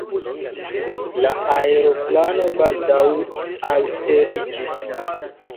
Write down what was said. La aeroplano baldaŭ alteriĝis.